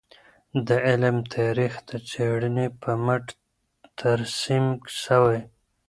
د علم تاریخ د څېړنې په مټ ترسیم سوی.